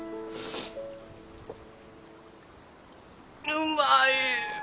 うまい！